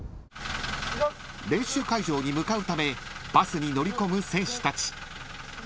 ［練習会場に向かうためバスに乗り込む選手たち］